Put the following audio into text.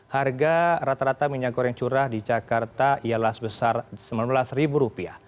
harga rata rata minyak goreng curah di jakarta ialah sebesar rp sembilan belas